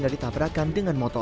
tidak apa apa semua